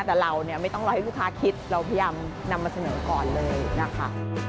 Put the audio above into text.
แต่เราเนี่ยไม่ต้องรอให้ลูกค้าคิดเราพยายามนำมาเสนอก่อนเลยนะคะ